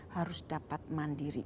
harus dapat mandiri